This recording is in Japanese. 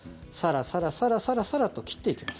サラサラサラサラと切っていきます。